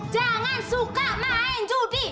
jangan suka main judi